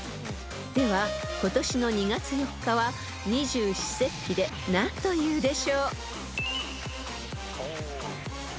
［では今年の２月４日は二十四節気で何というでしょう］